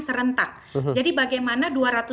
serentak jadi bagaimana